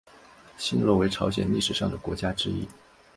新罗为朝鲜历史上的国家之一。